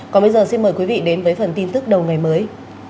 còn bây giờ xin mời quý vị đến với phần tin tức đầu ngày mới